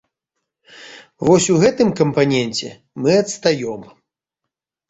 Вось у гэтым кампаненце мы адстаём.